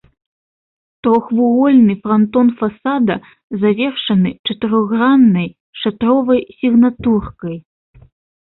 Трохвугольны франтон фасада завершаны чатырохграннай шатровай сігнатуркай.